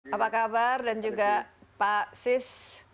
apa kabar dan juga pak sis